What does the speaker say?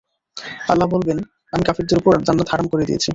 আল্লাহ বলবেন, আমি কাফিরদের উপর জান্নাত হারাম করে দিয়েছি।